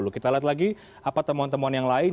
kita lihat lagi apa temuan temuan yang lain